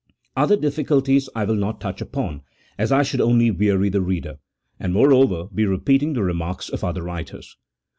Other difficulties I will not touch upon, as I should only weary the reader, and, moreover, be repeating the remarks of other writers.